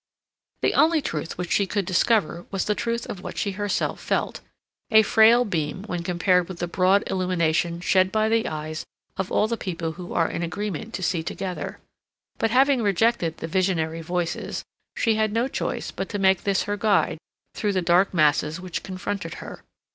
The only truth which she could discover was the truth of what she herself felt—a frail beam when compared with the broad illumination shed by the eyes of all the people who are in agreement to see together; but having rejected the visionary voices, she had no choice but to make this her guide through the dark masses which confronted her.